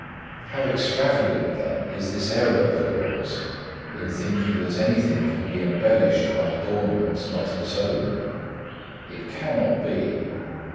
How extravagant, then, is this error of yours, in thinking that anything can be embellished by adornments not its own. It cannot be.